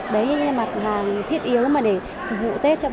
đấy là mặt hàng thiết yếu mà để phục vụ tết cho bà con